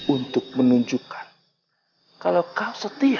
untuk menunjukkan kalau kau setia